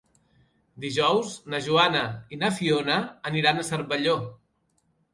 Dijous na Joana i na Fiona aniran a Cervelló.